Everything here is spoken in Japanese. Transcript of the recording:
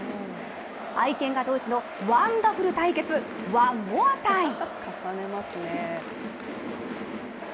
愛犬家同士のワンダフル対決、ワンモアタイム！